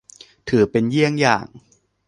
ถือเป็นเยี่ยงอย่าง